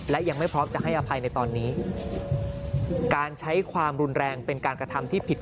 และยังไม่พร้อมจะให้อภัยในตอนนี้การใช้ความรุนแรงเป็นการกระทำที่ผิด